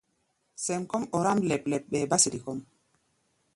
Sɛm kɔ́ʼm ɔráʼm lɛp-lɛp mɛ́ ba sede kɔ́ʼm.